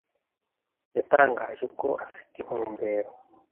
yatangaje ko afite intumbero